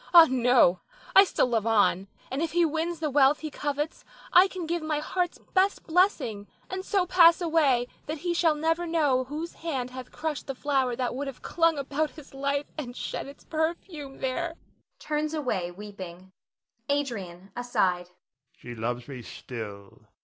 Ah, no, I still love on; and if he wins the wealth he covets I can give my heart's best blessing, and so pass away that he shall never know whose hand hath crushed the flower that would have clung about his life and shed its perfume there [turns away weeping]. Adrian [aside]. She loves me still.